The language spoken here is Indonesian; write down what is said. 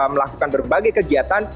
melakukan berbagai kegiatan